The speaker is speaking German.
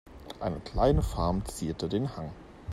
Eine kleine Farm zierte den Hang.